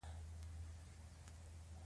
زراعت زموږ د اقتصاد ملا ده.